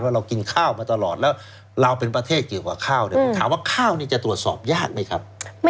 เรากินข้าวมาตลอดแล้วเราเป็นประเทศเกี่ยวกับข้าวเนี่ยผมถามว่าข้าวนี่จะตรวจสอบยากไหมครับ